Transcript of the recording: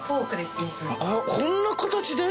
こんな形で！？